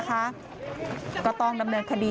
โชว์บ้านในพื้นที่เขารู้สึกยังไงกับเรื่องที่เกิดขึ้น